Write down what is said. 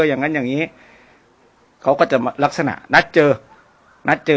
อย่างนั้นอย่างนี้เขาก็จะลักษณะนัดเจอนัดเจอ